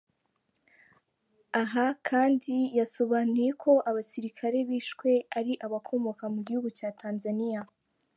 Aha kand, yasobanuye ko abasirikare bishwe ari abakomoka mu gihugu cya Tanzaniya.